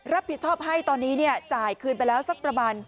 รับผิดชอบให้ตอนนี้จ่ายคืนไปแล้วสักประมาณ